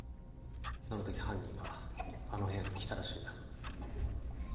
あの時犯人があの部屋に来たらしいんだ